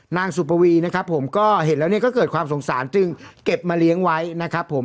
นางสุปวีนะครับผมก็เห็นแล้วเนี่ยก็เกิดความสงสารจึงเก็บมาเลี้ยงไว้นะครับผม